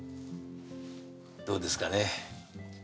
どうですかね。